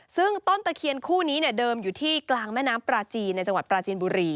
ซึ่งต้นตะเคียนคู่นี้เดิมอยู่ที่กลางแม่น้ำปลาจีนในจังหวัดปราจีนบุรี